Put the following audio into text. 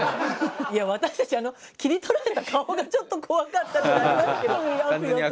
いや私たちあの切り取られた顔がちょっと怖かったってありますけど。